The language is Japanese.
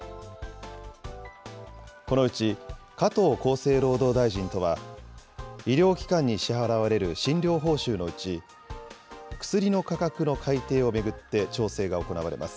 このうち加藤厚生労働大臣とは、医療機関に支払われる診療報酬のうち、薬の価格の改定を巡って調整が行われます。